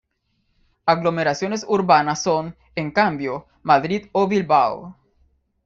Aglomeraciones urbanas son, en cambio, Madrid o Bilbao.